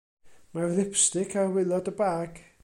Mae'r lipstic ar waelod y bag.